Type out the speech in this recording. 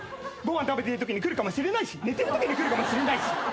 ご飯食べているときに来るかもしれないし寝てるときに来るかもしれないし。